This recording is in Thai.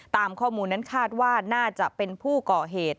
ตามข้อมูลนั้นคาดว่าน่าจะเป็นผู้ก่อเหตุ